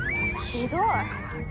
ひどい！